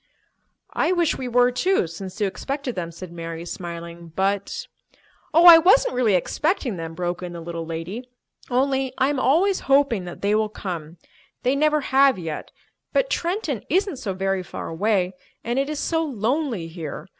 "I wish we were, too, since you expected them," said Mary, smiling. "But—" "Oh, I wasn't really expecting them," broke in the little lady. "Only I am always hoping that they will come. They never have yet, but Trenton isn't so very far away, and it is so lonely here.